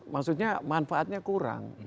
maksudnya manfaatnya kurang